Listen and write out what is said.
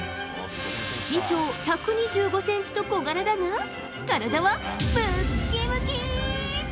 身長１２５ｃｍと小柄だが体はムッキムキ。